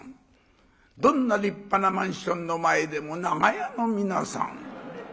どんな立派なマンションの前でも「長屋の皆さん」。